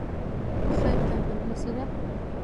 خیر ته بلنه څه ده؟